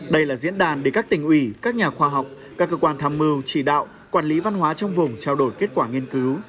đây là diễn đàn để các tỉnh ủy các nhà khoa học các cơ quan tham mưu chỉ đạo quản lý văn hóa trong vùng trao đổi kết quả nghiên cứu